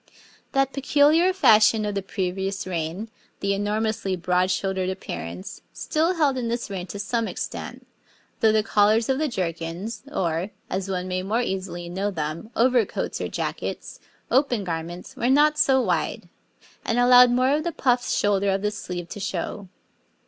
That peculiar fashion of the previous reign the enormously broad shouldered appearance still held in this reign to some extent, though the collars of the jerkins, or, as one may more easily know them, overcoats or jackets, open garments, were not so wide, and allowed more of the puffed shoulder of the sleeve to show.